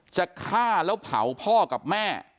จะฆ่าแล้วเผาพ่อกับแม่